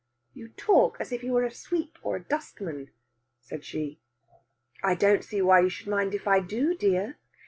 "You talk as if he was a sweep or a dustman," said she. "I don't see why you should mind if I do, dear.